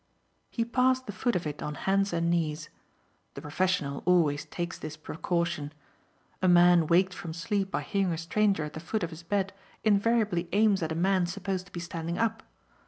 He passed the foot of it on hands and knees. The professional always takes this precaution. A man waked from sleep by hearing a stranger at the foot of his bed invariably aims at a man supposed to be standing up.